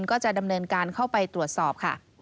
ก็จะดำเนินการเข้าไปตรวจสอบค่ะ